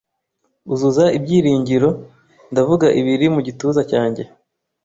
Uzuza ibyiringiro, ndavuga ibiri mu gituza cyanjye